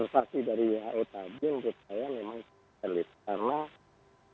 saya kira observasi dari who tadi menurut saya memang terlalu